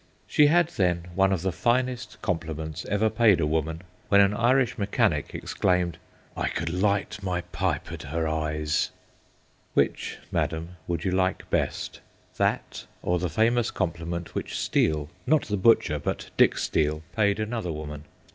She had then one of the finest compliments ever paid a woman, when an Irish mechanic ex claimed, * I could light my pipe at her eyes !' Which, madam, would you like best : that, or the famous compliment which Steele not the butcher, but Dick Steele paid another woman